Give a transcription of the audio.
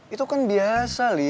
itu kan biasa lin